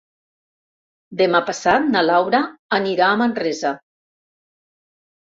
Demà passat na Laura anirà a Manresa.